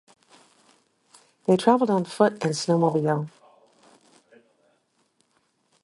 They travelled on foot and snowmobile.